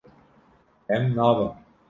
Em nabin.